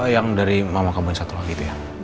yang dari mama kamu satu lagi itu ya